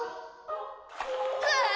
うわ！